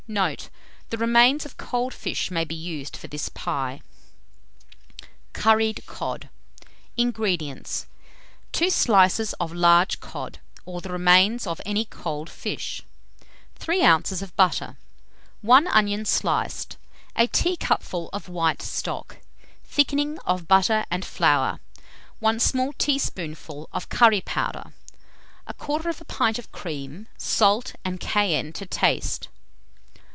Note. The remains of cold fish may be used for this pie. CURRIED COD. 237. INGREDIENTS. 2 slices of large cod, or the remains of any cold fish; 3 oz. of butter, 1 onion sliced, a teacupful of white stock, thickening of butter and flour, 1 small teaspoonful of curry powder, 1/4 pint of cream, salt and cayenne to taste.